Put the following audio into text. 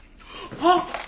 あっ！